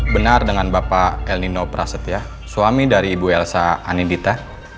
benar dengan bapak elnino prasetya suami dari ibu elsa anedita